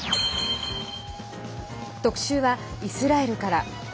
特集はイスラエルから。